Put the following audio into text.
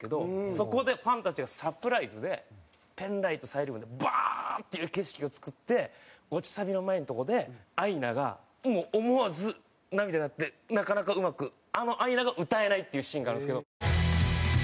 そこでファンたちがサプライズでペンライトサイリウムでバーッていう景色を作って落ちサビの前のとこでアイナが思わず涙がなかなかうまくあのアイナが歌えないっていうシーンがあるんですけど。